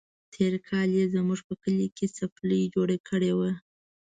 تېر کال يې زموږ په کلي کې څپلۍ جوړه کړې وه.